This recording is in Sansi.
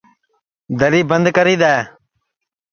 دری بند کری دؔے